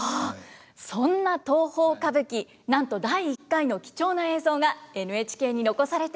そんな東宝歌舞伎なんと第１回の貴重な映像がＮＨＫに残されています。